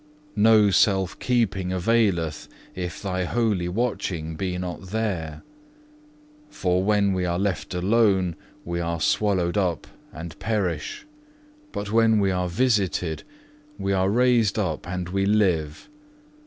No self keeping availeth, if Thy holy watching be not there. For when we are left alone we are swallowed up and perish, but when we are visited, we are raised up, and we live.